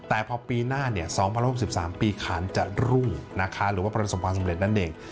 แต่พอปีหน้า๒๐๖๓ปีขานจะรุ่งนะคะหรือว่าประสบความสำเร็จนั่นเอง